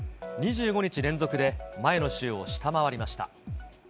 ２５日連続で前の週を下回りました。